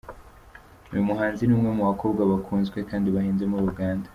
Uyu muhanzi ni umwe mu bakobwa bakunzwe kandi bahenze muri Uganda.